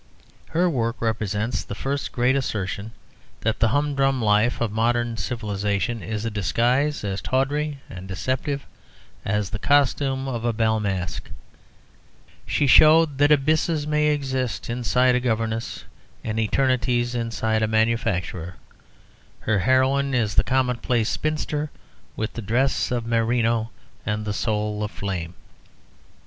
Her work represents the first great assertion that the humdrum life of modern civilisation is a disguise as tawdry and deceptive as the costume of a bal masqué. She showed that abysses may exist inside a governess and eternities inside a manufacturer; her heroine is the commonplace spinster, with the dress of merino and the soul of flame.